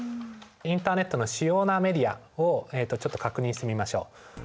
インターネットの主要なメディアをちょっと確認してみましょう。